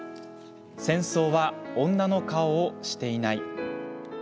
「戦争は女の顔をしていない」。